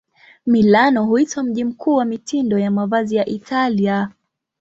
Milano huitwa mji mkuu wa mitindo ya mavazi ya Italia.